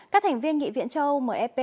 các thành viên nghị viện châu âu mep